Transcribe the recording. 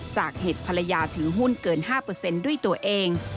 จากเหตุภรรยาถือหุ้นเกิน๕ด้วยตัวเอง